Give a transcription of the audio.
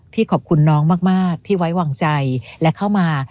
ขอบคุณน้องมากที่ไว้วางใจและเข้ามา